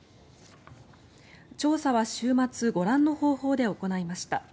調査は週末ご覧の方法で行いました。